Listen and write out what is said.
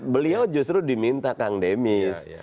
beliau justru diminta kang demis